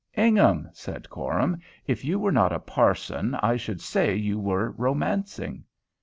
"Ingham," said Coram, "if you were not a parson, I should say you were romancing."